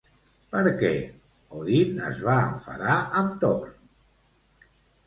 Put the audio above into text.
Per què Odin es va enfadar amb Thor?